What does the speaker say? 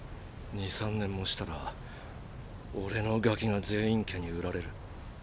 ２３年もしたら俺のガキが禪院家に売られる。